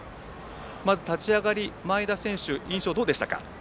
まず立ち上がり前田選手、どうでしたか？